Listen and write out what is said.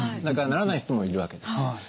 だからならない人もいるわけです。